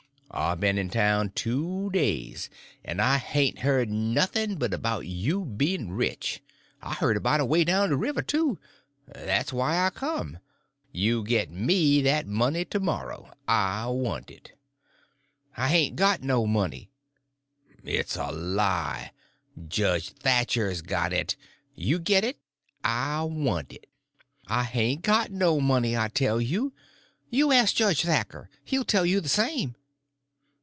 I've been in town two days, and I hain't heard nothing but about you bein' rich. I heard about it away down the river, too. That's why I come. You git me that money to morrow—I want it." "I hain't got no money." "It's a lie. Judge Thatcher's got it. You git it. I want it." "I hain't got no money, I tell you. You ask Judge Thatcher; he'll tell you the same."